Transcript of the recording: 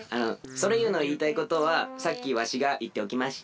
ソレイユのいいたいことはさっきわしがいっておきました。